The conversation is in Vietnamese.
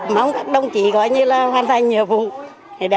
mong các đồng chí gọi như là hoàn thành nhiệm vụ để bảo vệ bình yên cho nhân dân